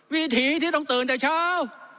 วิถีที่ต้องตื่นแต่เช้า